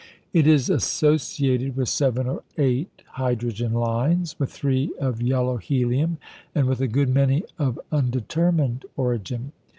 It is associated with seven or eight hydrogen lines, with three of "yellow" helium, and with a good many of undetermined origin.